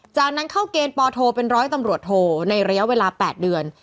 จากนั้นเข้าเกณฑ์ปโทเป็นร้อยตำรวจโทในระยะเวลา๘เดือน